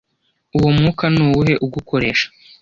Uwo mwuka ni uwuhe ugukoresha